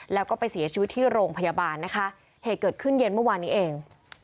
แล้วก็ไปเสียชีวิตที่โรงพยาบาลนะคะเหตุเกิดขึ้นเย็นเมื่อวานนี้เอง